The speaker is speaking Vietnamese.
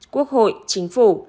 quốc hội chính phủ